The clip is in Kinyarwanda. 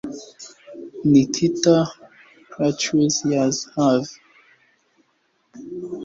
Nikita Khrushchev yari hejuru yububasha bwe.